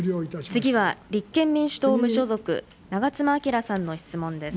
次は立憲民主党・無所属、長妻昭さんの質問です。